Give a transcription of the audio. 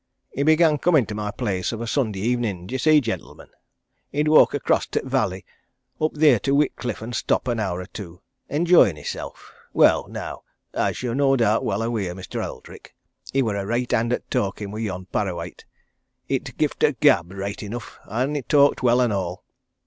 He began coming to my place of a Sunday evenin', d'ye see, gentlemen? he'd walk across t' valley up there to Whitcliffe and stop an hour or two, enjoyin' hisself. Well, now, as you're no doubt well aweer, Mr. Eldrick, he were a reight hand at talkin', were yon Parrawhite he'd t' gift o' t' gab reight enough, and talked well an' all.